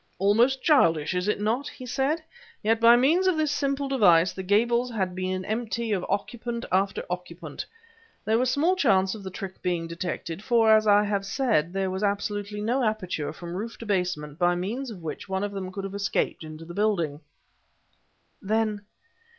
"Almost childish, is it not?" he said; "yet by means of this simple device the Gables has been emptied of occupant after occupant. There was small chance of the trick being detected, for, as I have said, there was absolutely no aperture from roof to basement by means of which one of them could have escaped into the building." "Then..."